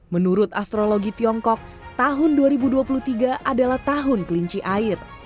menurut astrologi tiongkok tahun dua ribu dua puluh tiga adalah tahun kelinci air